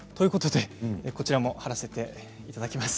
こちらも済みマークを貼らせていただきます。